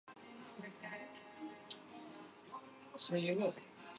Again the pack thwarted them.